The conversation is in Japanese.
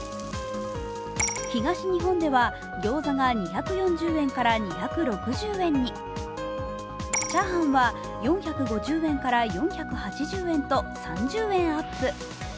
東日本では、ギョーザが２４０円から２６０円に、チャーハンは４５０円から４８０円と３０円アップ。